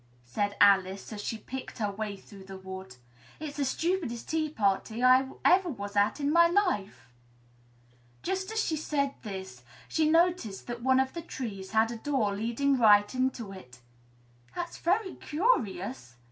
said Alice, as she picked her way through the wood. "It's the stupidest tea party I ever was at in all my life!" Just as she said this, she noticed that one of the trees had a door leading right into it. "That's very curious!"